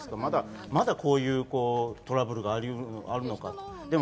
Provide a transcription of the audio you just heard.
まだこういうトラブルがあるのかと。